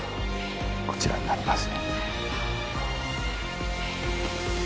こちらになります。